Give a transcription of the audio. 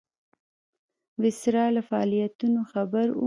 ویسرا له فعالیتونو خبر وو.